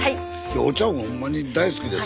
お茶もほんまに大好きですからね。